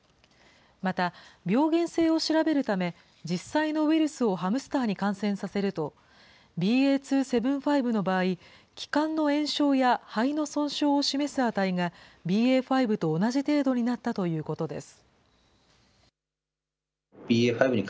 また病原性を調べるため、実際のウイルスをハムスターに感染させると、ＢＡ．２．７５の場合、気管の炎症や肺の損傷を示す値が、ＢＡ．５と同じ程度になったということです。